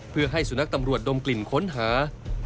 เพื่อให้สุนัขตำรวจดมกลิ่นค้นหา